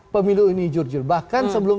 pemilu ini jujur bahkan sebelum